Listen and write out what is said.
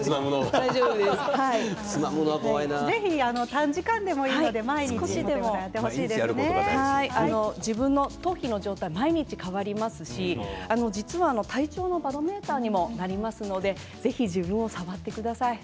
短時間でもいいですので自分の頭皮の状態は毎日変わりますし実は体調のバロメーターにもなりますのでぜひ自分を触ってください。